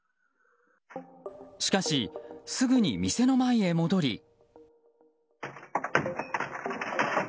しかし、すぐに店の前へ戻り。